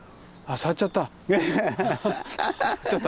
触っちゃった。